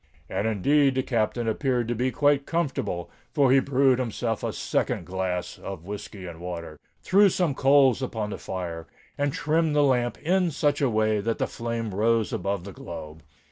And indeed the Captain appeared to be quite comfortable; for he brewed himself a second glass of whiskey and water—threw some coals upon the fire—and trimmed the lamp in such a way that the flame rose above the globe.